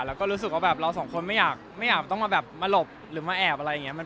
แล้วก็รู้สึกว่าแบบเราสองคนไม่อยากต้องมาแบบมาหลบหรือมาแอบอะไรอย่างนี้